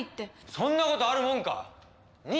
そんなことあるもんか。